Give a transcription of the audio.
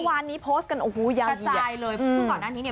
วันนี้โพสต์กันโอ้โหยาวกระจายเลยซึ่งก่อนหน้านี้เนี่ย